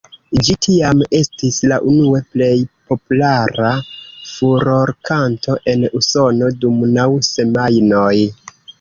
Ĝi tiam estis la unue plej populara furorkanto en Usono dum naŭ semajnoj.